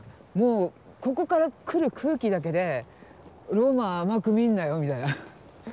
もうここから来る空気だけでローマ甘く見んなよみたいな。